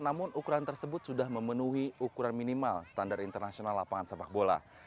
namun ukuran tersebut sudah memenuhi ukuran minimal standar internasional lapangan sepak bola